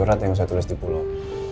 apakah itu surat yang saya tulis di pulau